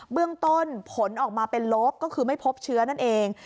เรื่องต้นผลออกมาเป็นลบก็คือไม่พบเชื้อนั่นเอง